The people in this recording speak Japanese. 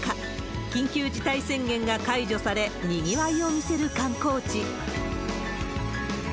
緊急事態宣言が解除され、にぎわいを見せる観光地。